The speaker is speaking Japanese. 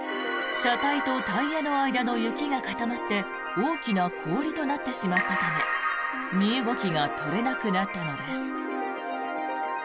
車体とタイヤの間の雪が固まって大きな氷となってしまったため身動きが取れなくなったのです。